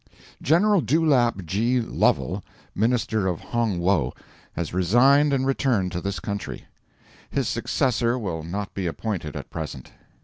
GENERAL DEWLAP G. LOVEL, minister to Hong Wo, has resigned and returned to this country. His successor will not be appointed at present.